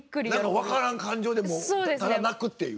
分からん感情でもうただ泣くっていう。